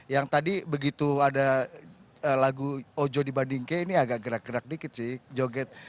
yang tadi begitu ada lagu ojo dibandingke ini agak gerak gerak dikit sih joget